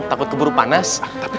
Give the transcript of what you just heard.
takut keburu panas